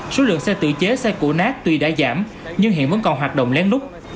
số lượng xe tự chế xe cũ nát tuy đã giảm nhưng hiện vẫn còn hoạt động lén lút